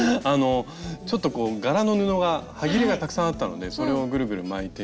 ちょっと柄の布がはぎれがたくさんあったのでそれをぐるぐる巻いてみたんですが。